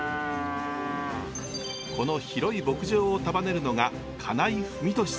この広い牧場を束ねるのが金井文利さんです。